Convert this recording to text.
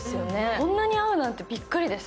こんなに合うなんて、びっくりです。